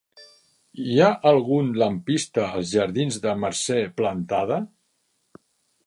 Hi ha algun lampista als jardins de Mercè Plantada?